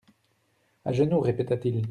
À genoux, répéta-t-il.